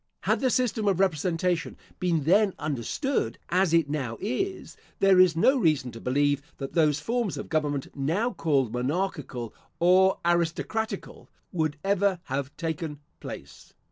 Had the system of representation been then understood, as it now is, there is no reason to believe that those forms of government, now called monarchical or aristocratical, would ever have taken place.